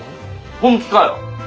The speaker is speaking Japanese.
本気かよ？